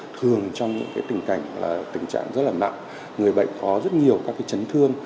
thường trong những tình trạng rất nặng người bệnh có rất nhiều các chấn thương